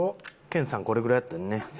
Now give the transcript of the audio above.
研さんこれぐらいやったよね。